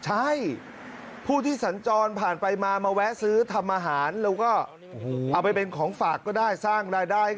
ใช่ผู้ที่สัญจรผ่านไปมามาแวะซื้อทำอาหาร